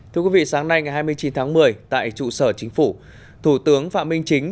thưa quý vị sáng nay ngày hai mươi chín tháng một mươi tại trụ sở chính phủ thủ tướng phạm minh chính